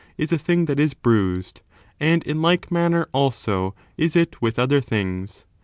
[bOOK VIII, is a thing that is bruised ; and in like manner, also, is it with other things.